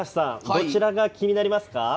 どちらが気になりますか？